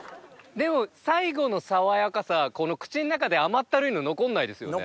でも最後の爽やかさ口の中で甘ったるいの残んないですよね？